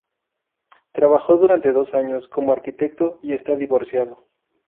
Trabajó durante dos años como arquitecto y está divorciado.